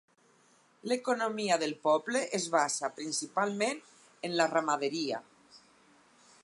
L'economia del poble es basa principalment en la ramaderia.